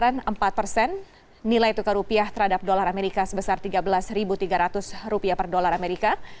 kenaikan empat persen nilai tukar rupiah terhadap dolar amerika sebesar tiga belas tiga ratus rupiah per dolar amerika